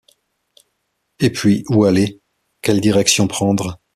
Et puis où aller? quelle direction prendre ?